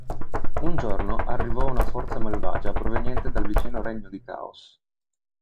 Un giorno arrivò una forza malvagia proveniente dal vicino regno di Caos.